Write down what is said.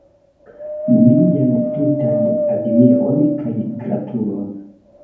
Mian tutan admiron kaj gratulon!